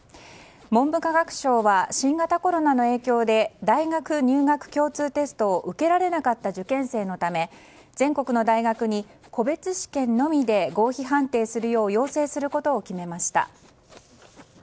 文部科学省は新型コロナの影響で大学入学共通テストを受けられなかった受験生のため全国の大学に個別試験のみで合否判定するよう要請することを決めました。